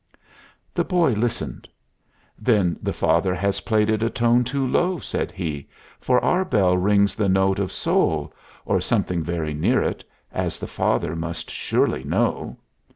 The boy listened. "Then the father has played it a tone too low," said he, "for our bell rings the note of sol, or something very near it, as the father must surely know."